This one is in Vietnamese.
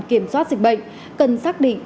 kiểm soát dịch bệnh cần xác định